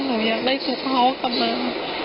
หนูอยากได้สุขเขากลับมา